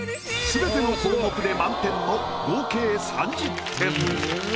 すべての項目で満点の合計３０点。